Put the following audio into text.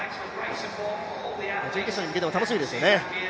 準決勝に向けても楽しみですよね。